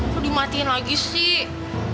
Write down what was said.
kok dimatiin lagi sih